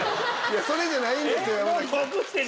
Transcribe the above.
それじゃないんですよ山崎さん。